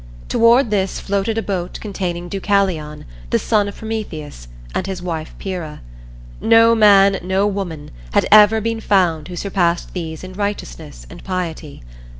Toward this floated a boat containing Deucalion, the son of Prometheus, and his wife Pyrrha. No man, no woman, had ever been found who surpassed these in righteousness and piety.